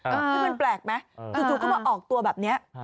ไม่เป็นแปลกไหมจุดก็มาออกตัวแบบนี้